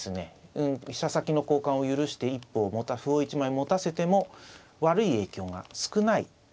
飛車先の交換を許して一歩を歩を１枚持たせても悪い影響が少ないと。